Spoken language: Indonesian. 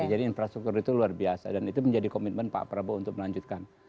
jadi infrastruktur itu luar biasa dan itu menjadi komitmen pak prabowo untuk melanjutkan